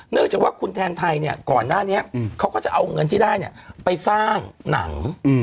จากว่าคุณแทนไทยเนี่ยก่อนหน้านี้เขาก็จะเอาเงินที่ได้ไปสร้างหนัง